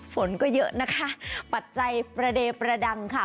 ฝนก็เยอะนะคะปัจจัยประเดประดังค่ะ